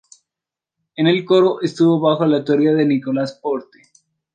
En el coro, estuvo bajo la tutoría de Nicolas Porte.